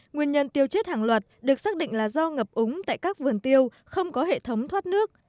nguyên nhân tiêu chết hàng loạt được xác định là do ngập úng tại các vườn tiêu không có hệ thống thoát nước